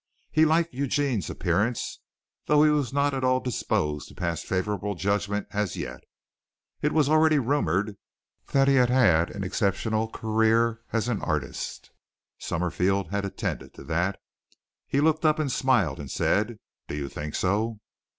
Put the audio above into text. He liked Eugene's appearance, though he was not at all disposed to pass favorable judgment as yet. It was already rumored that he had had an exceptional career as an artist. Summerfield had attended to that. He looked up and smiled and said, "Do you think so?"